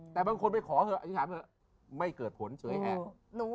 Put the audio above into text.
แต่บางคนไปขอเถอะอธิษฐานเถอะไม่เกิดผลเฉยแอบ